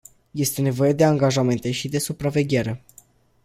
Este nevoie de angajamente și de supraveghere.